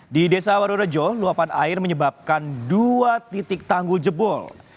di desa waru rejo luapan air menyebabkan dua titik tangguh jebul